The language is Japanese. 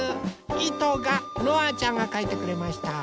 いとがのあちゃんがかいてくれました。